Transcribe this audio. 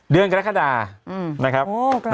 เดือนกรกฎานะครับ